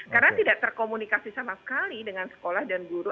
karena tidak terkomunikasi sama sekali dengan sekolah dan guru